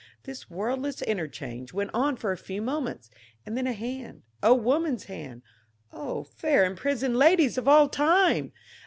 This wordless interchange went on for a few moments, and then a hand, a woman's hand O fair, imprisoned ladies of all time!